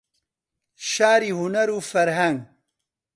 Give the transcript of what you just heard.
شاری هونەر و فەرهەنگ